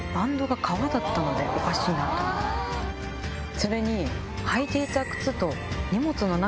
それに。